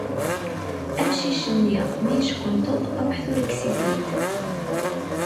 Amcic-nni, mi yeckenṭeḍ, ṛuḥ tura kkes-it-id.